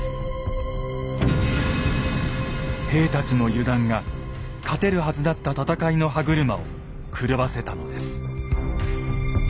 兵たちの油断が勝てるはずだった戦いの歯車を狂わせたのです。